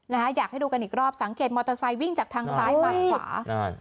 อยากให้ดูกันอีกรอบสังเกตมอเตอร์ไซค์วิ่งจากทางซ้ายมาขวาใช่